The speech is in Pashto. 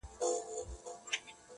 انسان حیوان دی، حیوان انسان دی,